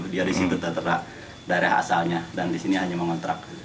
dia di sini tetap terdakar daerah asalnya dan di sini hanya mengontrak